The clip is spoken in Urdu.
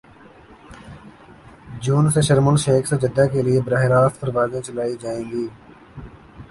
جون سے شرم الشیخ سے جدہ کے لیے براہ راست پروازیں چلائی جائیں گی